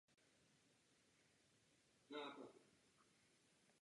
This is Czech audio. Jeho význam je tedy spíše historický.